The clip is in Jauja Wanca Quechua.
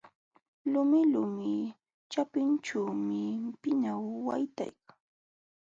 Lumilumi ćhapinćhuumi pinaw waytaykan.